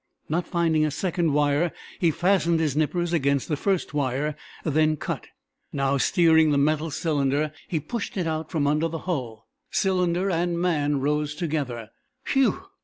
Not finding a second wire, he fastened his nippers against the first wire then cut. Now, steering the metal cylinder, he pushed it out from under the hull. Cylinder and man rose together. Whew!